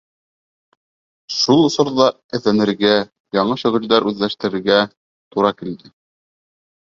Шул осорҙа эҙләнергә, яңы шөғөлдәр үҙләштерергә тура килде.